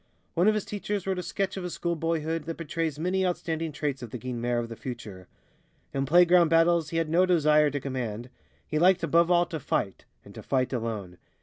One of his teachers wrote a sketch of his school boyhood that betrays many outstanding traits of the Guynemer of the future. In playground battles he had no desire to command; he liked above all to fight, and to fight alone.